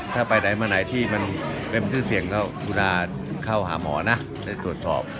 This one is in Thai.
ถ้าไปไหนมาไหนที่มันเต็มที่เสี่ยงเขาดูนะเข้าหาหมอน่ะใต้ตรวจสอบ